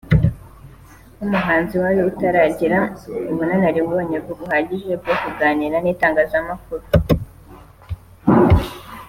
nk’umuhanzi wari utaragira ubunararibonye buhagije bwo kuganira n’itangazamakuru